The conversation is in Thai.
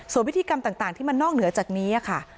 ส่วนพิธีกรรมต่างที่มันนอกเหนือจากนี้ค่ะ